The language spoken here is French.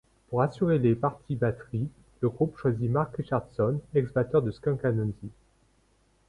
Pour assurer les parties batteries, le groupe choisit Mark Richardson, ex-batteur de Skunk Anansie.